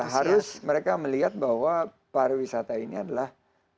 harus mereka melihat bahwa pariwisata ini adalah